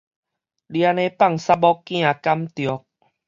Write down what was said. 你按呢放捒某囝敢著？